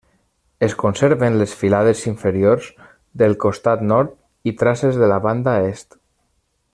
Es conserven les filades inferiors del costat nord i traces de la banda est.